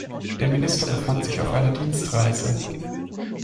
Der Minister befand sich auf einer Dienstreise.